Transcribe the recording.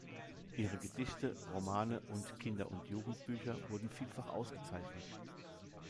Ihre Gedichte, Romane und Kinder- und Jugendbücher wurden vielfach ausgezeichnet.